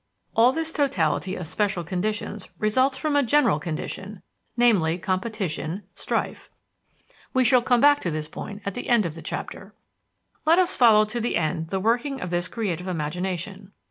All this totality of special conditions results from a general condition, namely, competition, strife. We shall come back to this point at the end of the chapter. Let us follow to the end the working of this creative imagination.